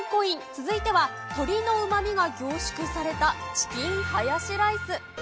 続いては、鶏のうまみが凝縮された、チキンハヤシライス。